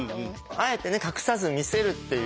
あえてね隠さず見せるっていう。